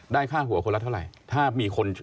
ได้ค่าหัวคนละเท่าไหร่